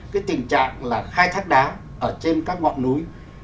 cái tình trạng là khai thác đá ở trên các ngọn núi